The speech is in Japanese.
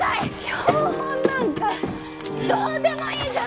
標本なんかどうでもいいじゃない！